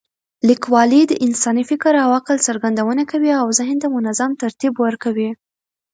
لیکوالی د انساني فکر او عقل څرګندونه کوي او ذهن ته منظم ترتیب ورکوي.